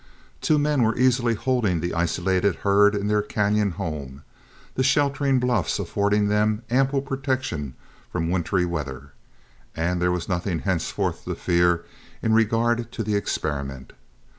Two men were easily holding the isolated herd in their cañon home, the sheltering bluffs affording them ample protection from wintry weather, and there was nothing henceforth to fear in regard to the experiment.